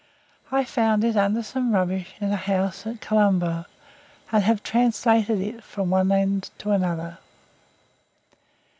I found it under some rubbish in a house at Colombo, and have translated it from one end to the other.